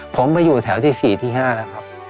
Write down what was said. ผมไปอยู่แถวที่๔ที่๕แล้วครับ